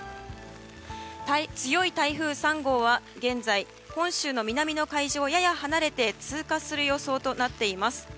強い台風３号は現在、本州の南の海上をやや離れて通過する予想となっています。